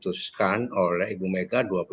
diputuskan oleh bu mega